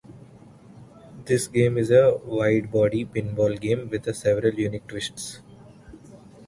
This game is a widebody pinball game with several unique twists.